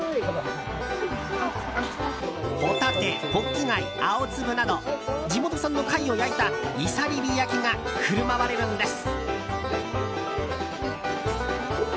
ホタテ、ホッキ貝アオツブなど地元産の貝を焼いたいさりび焼きが振る舞われるんです。